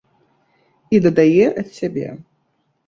І дадае ад сябе.